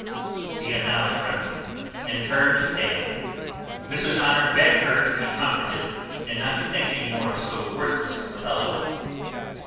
Sophia now trembled and turned pale. Mrs Honour begged her to be comforted, and not to think any more of so worthless a fellow.